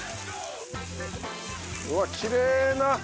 うわっきれいな緑。